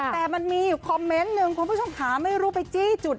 แต่มันมีอยู่คอมเมนต์หนึ่งคุณผู้ชมขาไม่รู้ไปจี้จุด